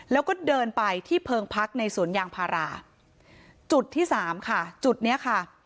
แล้วก็เดินไปที่เพิงพักในสวนยางพาราจุดที่สามค่ะจุดเนี้ยค่ะ